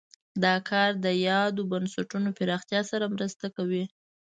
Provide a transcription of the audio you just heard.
دا کار د یادو بنسټونو پراختیا سره مرسته کوي.